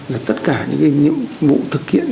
và tất cả những nhiệm vụ thực hiện